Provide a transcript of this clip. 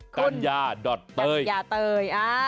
กัญญาเตย